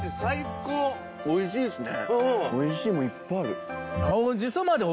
おいしいですね！